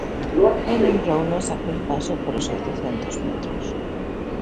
E lembrounos aquel paso polos oitocentos metros.